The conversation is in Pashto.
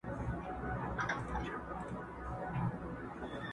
له هري غیږي له هر یاره سره لوبي کوي٫